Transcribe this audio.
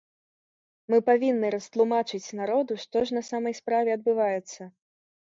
Мы павінны растлумачыць народу, што ж на самай справе адбываецца.